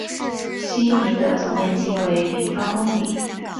希尼的总面积为平方公里。